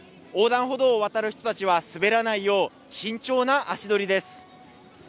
横断歩道を渡る人たちは滑らないよう慎重な足取りです。